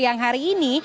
yang hari ini